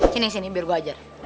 sini sini biar gue ajar